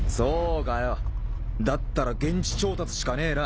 修Δだったら現地調達しかねえな。